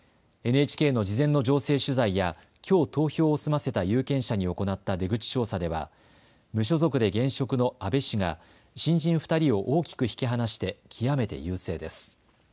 ＮＨＫの事前の情勢取材やきょう投票を済ませた有権者に行った出口調査では無所属で現職の阿部氏が新人２人を大きく引き離して極めて優勢です。